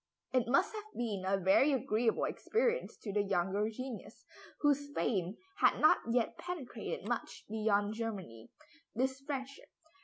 It must have been a very agreeable experience to the younger genius, whose fame had not yet penetrated much beyond Germany, this friendship.